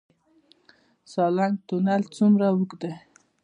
سالنګ تونل څومره اوږد دی؟